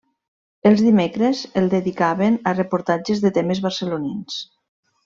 Els dimecres el dedicaven a reportatges de temes barcelonins.